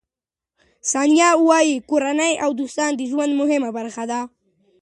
ثانیه وايي، کورنۍ او دوستان د ژوند مهمه برخه دي.